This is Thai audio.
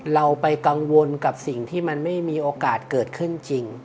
เราไปกังวลกับสิ่งที่มันไม่มีโอกาสเกิดขึ้นจริง